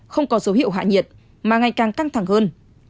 không có dấu hiệu hạ nhiệt mà ngày càng căng thẳng hơn